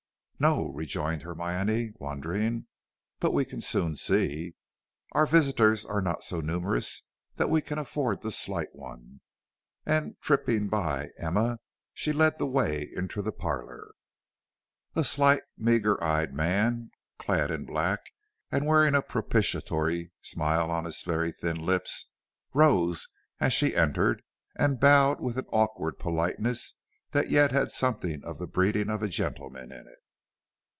"No," rejoined Hermione, wondering. "But we can soon see. Our visitors are not so numerous that we can afford to slight one." And tripping by Emma, she led the way into the parlor. A slight, meagre, eager eyed man, clad in black and wearing a propitiatory smile on very thin lips, rose as she entered, and bowed with an awkward politeness that yet had something of the breeding of a gentleman in it.